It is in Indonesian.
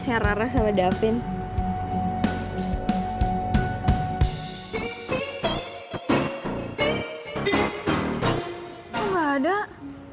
sabaran aja yuk